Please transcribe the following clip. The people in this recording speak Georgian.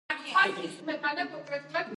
ჯგუფს ბრიტანეთში კომერციული წარმატება არ ჰქონია.